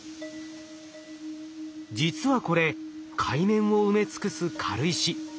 実はこれ海面を埋め尽くす軽石。